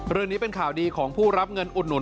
เรื่องนี้เป็นข่าวดีของผู้รับเงินอุดหนุน